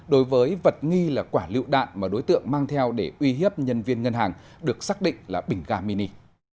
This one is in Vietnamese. đối với vật nghi là quả lựu đạn mà đối tượng mang theo để uy hiếp nhân viên ngân hàng được xác định là bình ga mini